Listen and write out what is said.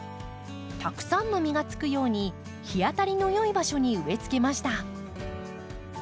たくさんの実がつくように日当たりの良い場所に植え付けました。